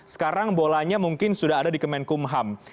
sekarang bolanya mungkin sudah ada di kemenkumham